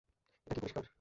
এটা কি পরিস্কার?